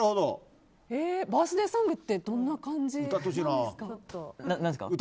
バースデーソングってどんな感じなんですか？